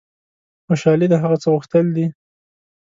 خوشحالي د هغه څه غوښتل دي.